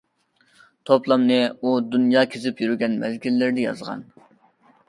توپلامنى ئۇ دۇنيا كېزىپ يۈرگەن مەزگىللىرىدە يازغان.